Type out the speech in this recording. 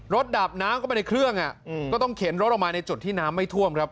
ดับน้ำเข้าไปในเครื่องก็ต้องเข็นรถออกมาในจุดที่น้ำไม่ท่วมครับ